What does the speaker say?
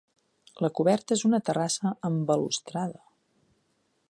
La coberta és una terrassa amb balustrada.